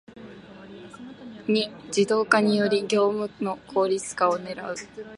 ⅱ 自動化により業務の効率化を狙う